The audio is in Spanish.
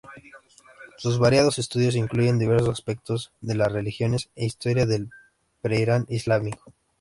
Sus variados estudios incluyen diversos aspectos de las religiones e historia del pre-Irán islámico.